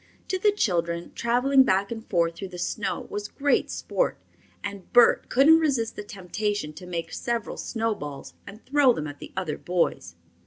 To the children, traveling back and forth through the snow was great sport, and Bert couldn't resist the temptation to make several snowballs and throw them at the other boys.